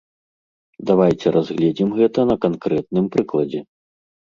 Давайце разгледзім гэта на канкрэтным прыкладзе.